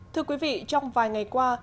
thưa quý vị trong vài ngày qua